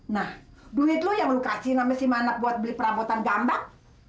nah duit lo yang lo kasih sama si manap buat beli perambutan gambang